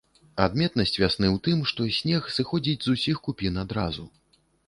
Адметнасць вясны ў тым, што снег сыходзіць з усіх купін адразу.